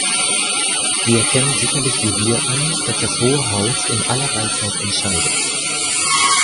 Sie erkennen sicherlich wie wir an, dass das Hohe Haus in aller Weisheit entscheidet.